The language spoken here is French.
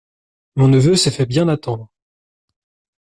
Mon neveu se fait bien attendre…